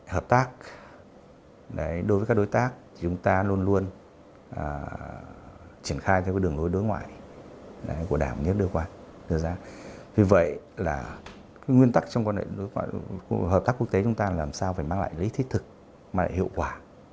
hợp tác quốc tế chúng ta làm sao phải mang lại lý thích thực mang lại hiệu quả